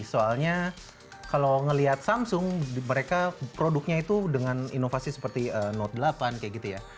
soalnya kalau melihat samsung produknya itu dengan inovasi seperti note delapan kayak gitu ya